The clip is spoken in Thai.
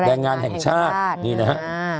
แรงงานแห่งชาตินี่นะฮะ